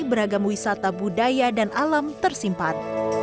beragam wisata budaya dan alam tersimpan